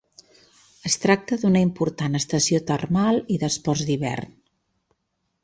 Es tracta d'una important estació termal i d'esports d'hivern.